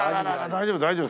大丈夫大丈夫。